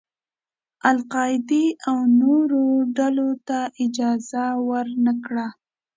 القاعدې او نورو ډلو ته اجازه ور نه کړي.